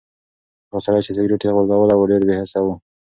هغه سړی چې سګرټ یې غورځولی و ډېر بې حسه و.